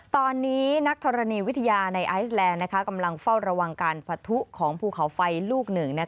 ตอนนี้นักธรณีวิทยาในไอซแลนด์กำลังเฝ้าระวังการปะทุของภูเขาไฟลูกหนึ่ง